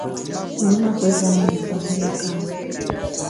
Ngunakuzange kajila kami.